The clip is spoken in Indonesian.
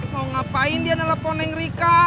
mau ngapain dia nelpon neng rika